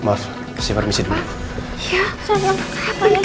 maaf pak saya mau bicara sebentar sama bapak